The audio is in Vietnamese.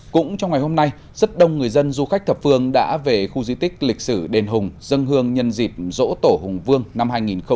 cũng trong ngày hôm nay rất đông người dân du khách thập phương đã về khu di tích lịch sử đền hùng dân hương nhân dịp dỗ tổ hùng vương năm hai nghìn hai mươi bốn